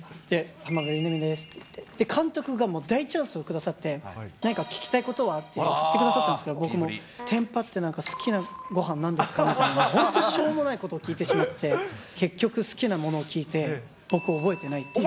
浜辺美波ですって言って、監督がもう大チャンスをくださって、何か聞きたいことは？って振ってくださったんですけど、僕もてんぱって、なんか、好きなごはんなんですかねみたいな、本当にしょうもないことを聞いてしまって、結局、好きなものを聞いて、僕、覚えてないっていう。